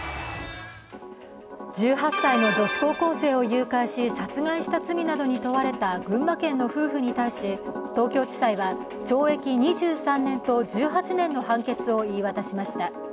１８歳の女子高校生を誘拐し、殺害した罪などに問われた群馬県の夫婦に対し東京地裁は懲役２３年と１８年の判決を言い渡しました。